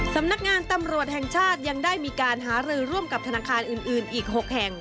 สำนักงานตำรวจแห่งชาติยังได้มีการหารือร่วมกับธนาคารอื่นอีก๖แห่ง